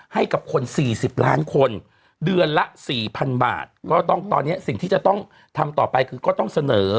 ให้กับคนสี่สิบล้านคนเดือนละสี่พันบาทก็ต้องตอนนี้สิ่งที่จะต้องทำต่อไปคือก็ต้องเสนอ